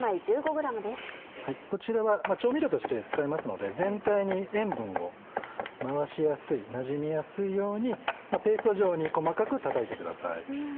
こちらは調味料として使いますので全体に塩分を回しやすいなじみやすいようにペースト状に細かくたたいてください。